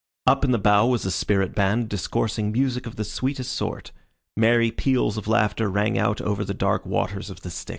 Up in the bow was a spirit band discoursing music of the sweetest sort. Merry peals of laughter rang out over the dark waters of the Styx.